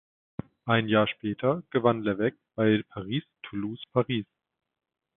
Ein Jahr später gewann Levegh bei Paris–Toulouse–Paris.